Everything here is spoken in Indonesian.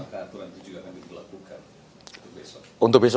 apakah aturan itu juga akan dilakukan untuk besok